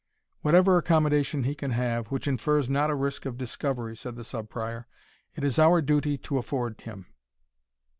"Whatever accommodation he can have, which infers not a risk of discovery," said the Sub Prior, "it is our duty to afford him."